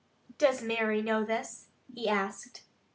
"Does Mary know this?" he asked.